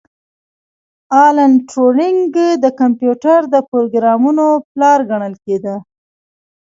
الن ټورینګ د کمپیوټر د پروګرامونې پلار ګڼل کیده